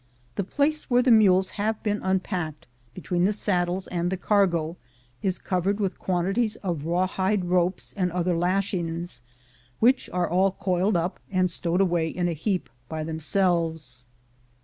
The place where the mules have been unpacked, between the saddles and the cargo, is covered with quantities of rawhide ropes and other lashings, which are all coiled up and stowed away in a heap by themselves.